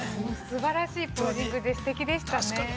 すばらしいポージングで、すてきでしたね。